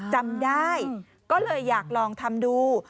จำได้ก็เลยอยากลองทำดู